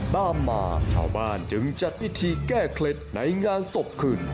ตามมาชาวบ้านจึงจัดพิธีแก้เคล็ดในงานศพคืน